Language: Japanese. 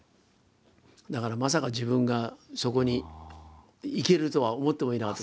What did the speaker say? だからまさか自分がそこに行けるとは思ってもいなかった。